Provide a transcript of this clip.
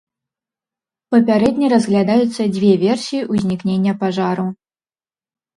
Папярэдне разглядаюцца дзве версіі ўзнікнення пажару.